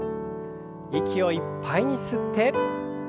息をいっぱいに吸って。